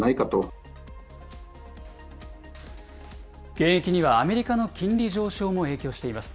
減益にはアメリカの金利上昇も影響しています。